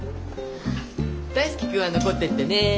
大介君は残っててね！